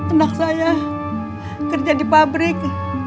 anak saya kerja di pabrik